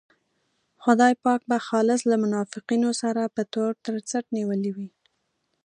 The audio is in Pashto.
خدای پاک به خالص له منافقینو سره په تور تر څټ نیولی وي.